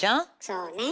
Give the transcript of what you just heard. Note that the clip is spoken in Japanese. そうね。